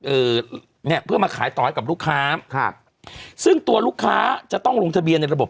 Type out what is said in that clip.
เอ่อเนี้ยเพื่อมาขายต่อให้กับลูกค้าครับซึ่งตัวลูกค้าจะต้องลงทะเบียนในระบบ